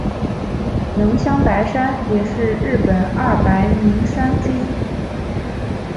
能乡白山也是日本二百名山之一。